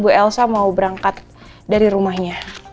bu elsa mau berangkat dari rumahnya